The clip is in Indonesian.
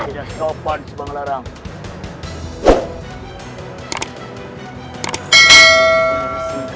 kau sudah diterima